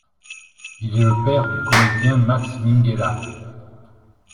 Il est le père du comédien Max Minghella.